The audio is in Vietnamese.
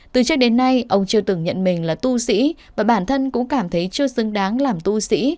từ trước đến nay ông chưa từng nhận mình là tu sĩ và bản thân cũng cảm thấy chưa xứng đáng làm tu sĩ